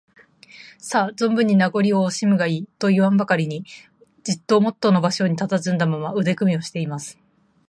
「さあ、ぞんぶんに名ごりをおしむがいい」といわぬばかりに、じっともとの場所にたたずんだまま、腕組みをしています。